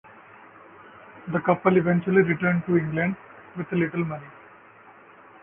The couple eventually returned to England with little money.